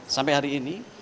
sampai hari ini